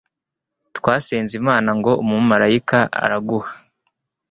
twasenze imana ngo umumarayika araguha